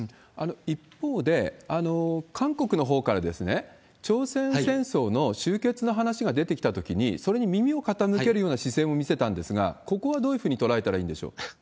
一方で韓国のほうから、朝鮮戦争の終結の話が出てきたときに、それに耳を傾けるような姿勢も見せたんですが、ここはどういうふうに捉えたらいいんでしょう？